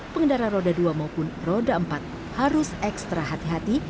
pengendara roda dua maupun roda empat harus ekstra hati hati